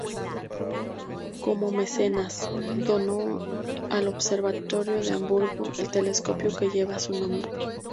Como mecenas, donó al Observatorio de Hamburgo el telescopio que lleva su nombre.